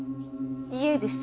家です。